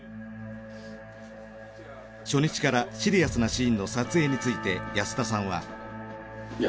初日からシリアスなシーンの撮影について安田さんは。